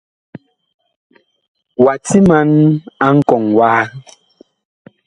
Wa timan a nkɔŋ waha.